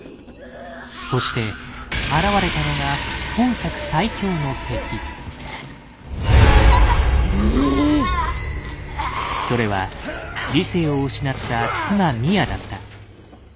そして現れたのが本作それは理性を失った妻・ミアだった。